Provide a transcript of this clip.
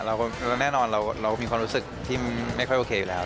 แล้วแน่นอนเรามีความรู้สึกที่ไม่ค่อยโอเคอยู่แล้ว